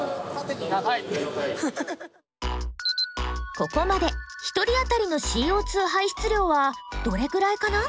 ここまで１人あたりのＣＯ排出量はどれくらいかな？